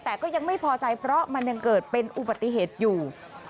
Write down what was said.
แต่ก็ยังไม่พอใจเพราะมันยังเกิดเป็นอุบัติเหตุอยู่